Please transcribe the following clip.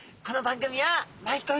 この番組は毎回。